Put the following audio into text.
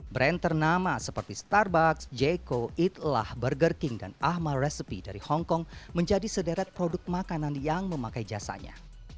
brand ternama seperti starbucks jaco eat lah burger king dan ahmad resepy dari hongkong menjadi sederet produk makanan yang memakai jasanya